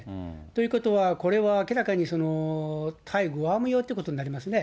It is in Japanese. ということは、これは明らかに対グアム用っていうことになりますね。